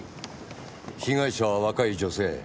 被害者は若い女性。